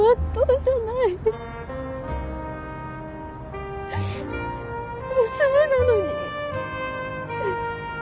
娘なのに。